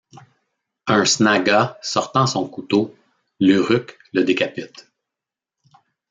Un Snaga sortant son couteau, l'Uruk le décapite.